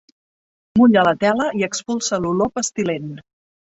Mulla la tela i expulsa l'olor pestilent.